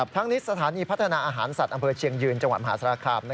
ทั้งนี้สถานีพัฒนาอาหารสัตว์อำเภอเชียงยืนจังหวัดมหาสารคาม